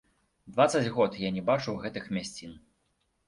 Дваццаць год я не бачыў гэтых мясцін.